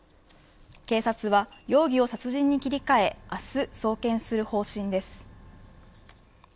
警察は容疑を殺人に切り替え明日送検する方針です。